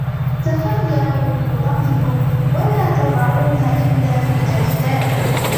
تَخَيَّرُوا لَنُطَفِكُمْ وَلَا تَضَعُوهَا إلَّا فِي الْأَكْفَاءِ